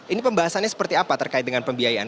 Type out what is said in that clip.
ini pembahasannya seperti apa terkait dengan pembiayaan